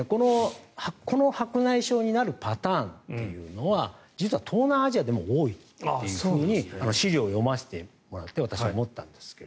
この白内障になるパターンというのは実は東南アジアでも多いと資料を読ませてもらって私も思ったんですが。